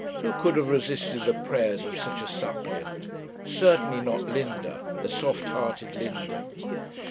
Who could have resisted the prayers of such a suppliant? Certainly not Linda, the soft hearted Linda.